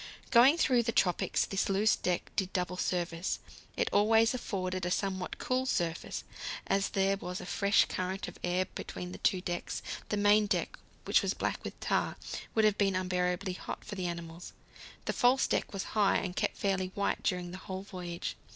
Going through the tropics this loose deck did double service. It always afforded a somewhat cool surface, as there was a fresh current of air between the two decks. The main deck, which was black with tar, would have been unbearably hot for the animals; the false deck was high, and kept fairly white during the whole voyage.